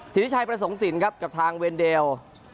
ศีริชายประสงค์ศิลป์ครับกับทางเวนเดล